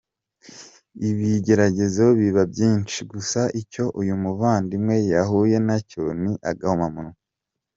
Ibigeragezo biba byinshi, gusa icyo uyu muvandimwe yahuye nacyo ni agahomamunwa!.